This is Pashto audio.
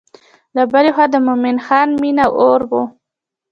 له بلې خوا د مومن خان مینې اور و.